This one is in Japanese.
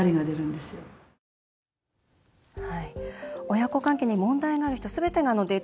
親子関係に問題がある人すべてがデート